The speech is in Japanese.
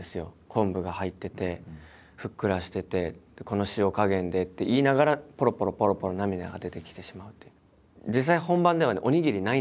昆布が入っててふっくらしててこの塩加減でって言いながらぽろぽろぽろぽろ涙が出てきてしまうという。